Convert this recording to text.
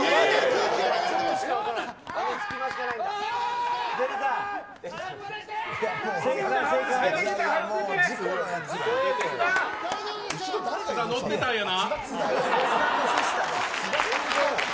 津田、乗ってたんやな。